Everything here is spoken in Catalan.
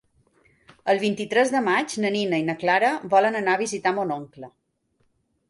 El vint-i-tres de maig na Nina i na Clara volen anar a visitar mon oncle.